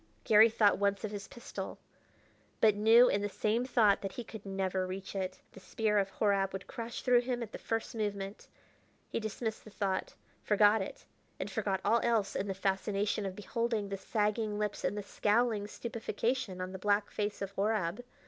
Garry thought once of his pistol, but knew in the same thought that he could never reach it; the spear of Horab would crash through him at the first movement. He dismissed the thought forgot it and forgot all else in the fascination of beholding the sagging lips and the scowling stupefaction on the black face of Horab.